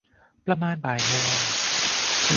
ประมาณบ่ายโมง